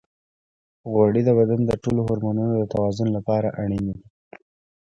غوړې د بدن د ټولو هورمونونو د توازن لپاره اړینې دي.